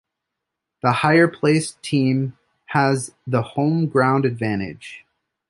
The higher-placed team has the home ground advantage.